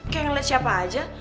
kayak ngeliat siapa aja